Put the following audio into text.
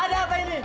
ada apa ini